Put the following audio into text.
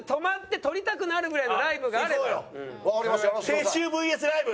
撤収ＶＳライブ。